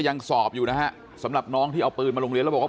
ยังสอบอยู่นะฮะสำหรับน้องที่เอาปืนมาโรงเรียนแล้วบอกว่า